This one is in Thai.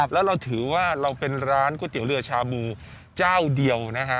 แล้วเราถือว่าเราเป็นร้านก๋วยเตี๋ยวเรือชาบูเจ้าเดียว